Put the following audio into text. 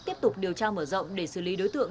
tiếp tục điều tra mở rộng để xử lý đối tượng